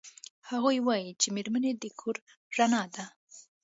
هغوی وایي چې میرمنې د کور رڼا ده